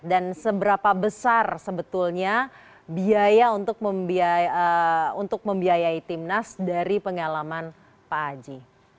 dan seberapa besar sebetulnya biaya untuk membiayai timnas dari pengalaman pak aji